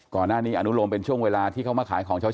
ก่อนหน้านี้อนุโลมเป็นช่วงเวลาที่เข้ามาขายของเช้า